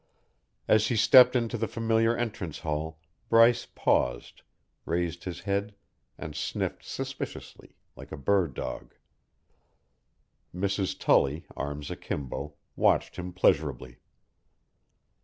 As he stepped into the familiar entrance hall, Bryce paused, raised his head and sniffed suspiciously, like a bird dog. Mrs. Tully, arms akimbo, watched him pleasurably.